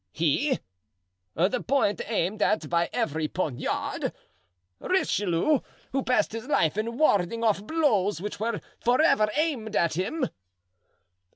"He! the point aimed at by every poniard! Richelieu, who passed his life in warding off blows which were forever aimed at him!"